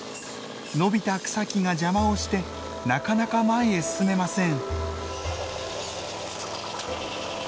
伸びた草木が邪魔をしてなかなか前へ進めません。